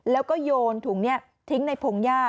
แล้วก็โยนถุงนี้ทิ้งในพงหญ้า